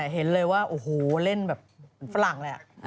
เห็นเลยว่าโอ้โหเล่นแบบฝรั่งแหละ